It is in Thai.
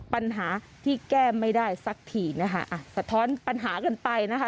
ปัญหาที่แก้ไม่ได้สักทีนะคะอ่ะสะท้อนปัญหากันไปนะคะ